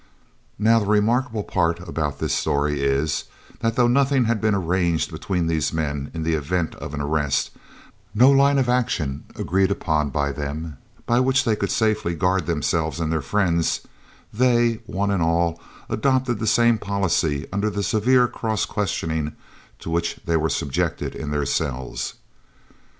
Now, the remarkable part about this story is, that though nothing had been arranged between these men in the event of an arrest, no line of action agreed upon by them by which they could safely guard themselves and their friends, they one and all adopted the same policy under the severe cross questioning to which they were subjected in their cells.